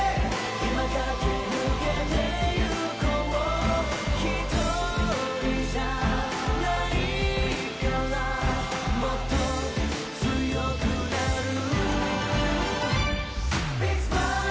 今駆け抜けていこう一人じゃないからもっと、強くなるＢｉｇｓｍｉｌｅ！